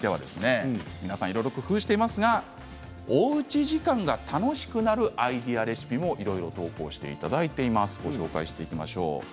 皆さんいろいろ工夫していますがおうち時間が楽しくなるアイデアレシピもいろいろ投稿していただいています。